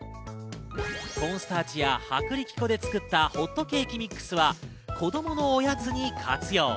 コンスターチや薄力粉で作ったホットケーキミックスは、子供のおやつに活用。